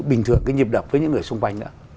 bình thường cái nhịp đập với những người xung quanh nữa